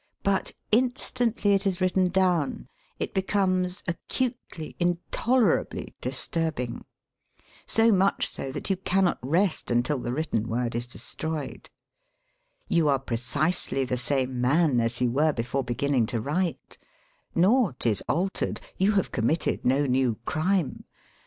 But, instantly it is written down it becomes acutely, intolerably dis turbing — so much so that you cannot rest until the written word is destroyed. You are pre cisely the same man as you were before begin ning to write; naught is altered; you have com with THE DIARY HABIT 48 mitted no new crime.